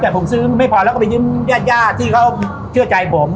แต่ผมซื้อไม่พอแล้วก็ไปยืมญาติญาติที่เขาเชื่อใจผม